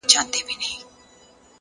لوړ همت ستړې ورځې کوچنۍ کوي!.